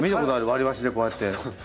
割り箸でこうやって。